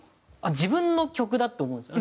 「自分の曲だ」と思うんですよ。